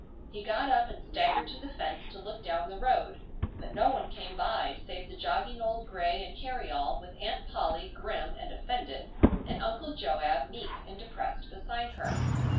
He got up and staggered to the fence to look down the road, but no one came by save the jogging old gray and carryall, with Aunt Polly grim and offended and Uncle Joab meek and depressed beside her.